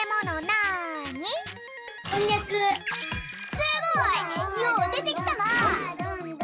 すごい！ようでてきたな！